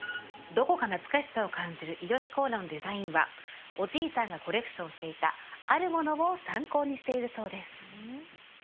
どこか懐かしさを感じる伊良コーラのデザインはおじいさんがコレクションしていたあるものを参考にしているそうです